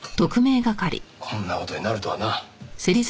こんな事になるとはな。